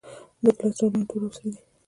د ګیلاس ډولونه تور او سره دي.